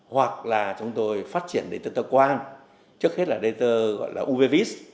hoặc là chúng tôi phát triển đời tích tơ quan trước hết là đời tích tơ gọi là uv vis